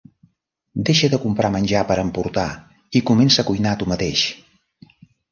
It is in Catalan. Deixa de comprar menjar per emportar i comença a cuinar tu mateix!